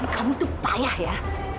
kamu tuh payah ya